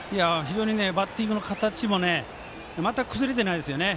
バッティングの形もまったく崩れてないですよね。